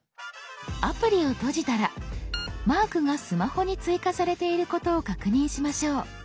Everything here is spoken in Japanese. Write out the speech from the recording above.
アプリを閉じたらマークがスマホに追加されていることを確認しましょう。